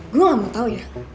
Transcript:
gue gak mau tau ya